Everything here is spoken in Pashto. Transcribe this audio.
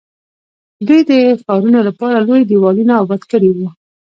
دوی د ښارونو لپاره لوی دیوالونه اباد کړي وو.